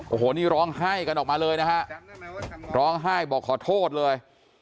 โอ้โหนี่ร้องไห้กันออกมาเลยนะฮะร้องไห้บอกขอโทษเลย